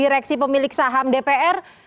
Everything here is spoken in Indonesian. direksi pemilik saham dpr